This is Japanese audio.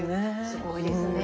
すごいですね。